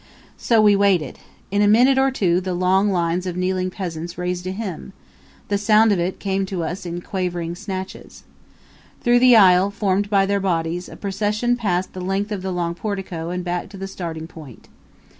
So we waited. In a minute or two the long lines of kneeling peasants raised a hymn; the sound of it came to us in quavering snatches. Through the aisle formed by their bodies a procession passed the length of the long portico and back to the starting point.